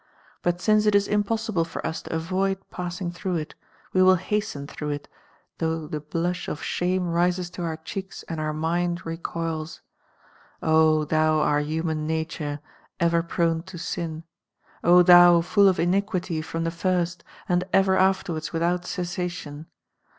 But °^^^ since it is impossible for us to avoid passing ?ice through it, we will hasten through it, thoui h the biush of shame rises to our checks and our mind recoils. O thou our human nature, ever prone to sin ! C thou, full of iniquity froni the first and ever afterwards without cessatior.